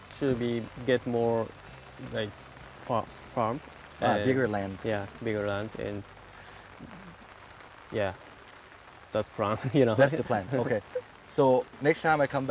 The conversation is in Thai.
คุณต้องเป็นผู้งาน